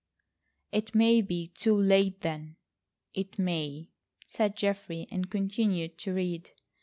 "It may be too late then." "It may," said Geoffrey, and continued to read.